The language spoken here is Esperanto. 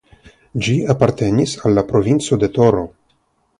Ĝi apartenis al la Provinco de Toro.